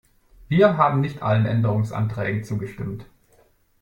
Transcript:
Wir haben nicht allen Änderungsanträgen zugestimmt.